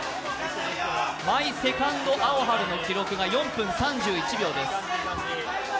「マイ・セカンド・アオハル」の記録が４分３１秒です。